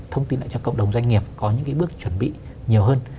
thông tin lại cho cộng đồng doanh nghiệp có những bước chuẩn bị nhiều hơn